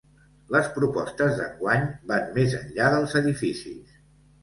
Les propostes d’enguany van més enllà dels edificis.